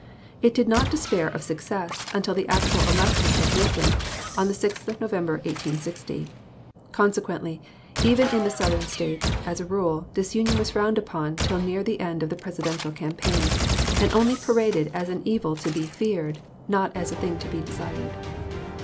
It did not despair of success until the actual election of Lincoln, on the 6th of November, 1860; consequently, even in the Southern States, as a rule, disunion was frowned upon till near the end of the Presidential campaign, and only paraded as an evil to be feared, not as a thing to be desired.